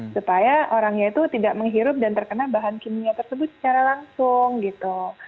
supaya orangnya itu tidak menghirup dan terkena bahan kimia tersebut secara langsung gitu